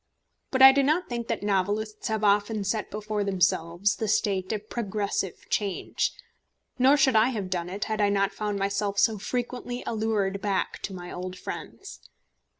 But I do not think that novelists have often set before themselves the state of progressive change, nor should I have done it, had I not found myself so frequently allured back to my old friends.